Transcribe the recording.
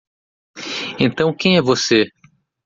Então quem é você?